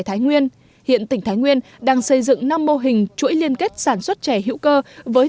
thái nguyên hiện tỉnh thái nguyên đang xây dựng năm mô hình chuỗi liên kết sản xuất chè hữu cơ với